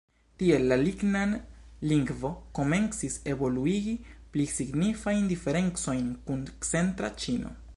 Tiel la Lingnan-lingvo komencis evoluigi pli signifajn diferencojn kun centra ĉino.